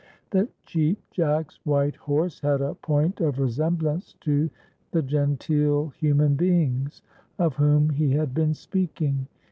The Cheap Jack's white horse had a point of resemblance to the "genteel human beings" of whom he had been speaking.